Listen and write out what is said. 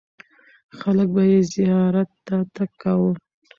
خلک به یې زیارت ته تګ کاوه.